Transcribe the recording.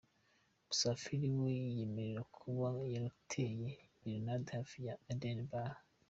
Musafili we yiyemerera kuba yarateye gerenade hafi ya Eden bar.